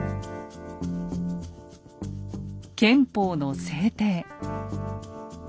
憲法の制定。